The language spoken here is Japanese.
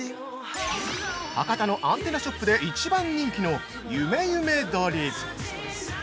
◆博多のアンテナショップで一番人気の「努努鶏」。